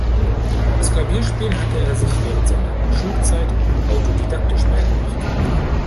Das Klavierspiel hatte er sich während seiner Schulzeit autodidaktisch beigebracht.